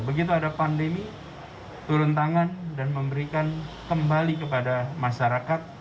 begitu ada pandemi turun tangan dan memberikan kembali kepada masyarakat